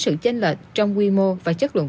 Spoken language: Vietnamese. sự chênh lệch trong quy mô và chất lượng